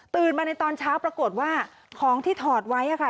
มาในตอนเช้าปรากฏว่าของที่ถอดไว้ค่ะ